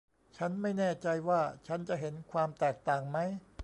ฉันไม่แน่ใจว่าฉันจะเห็นความแตกต่างมั้ย